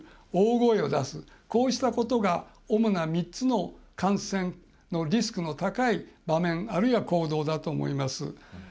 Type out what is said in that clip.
大声を出す、こうしたことが主な３つの感染のリスクの高い場面あるいは行動だと思います。